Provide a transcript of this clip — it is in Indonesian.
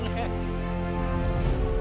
bapak sudah menerima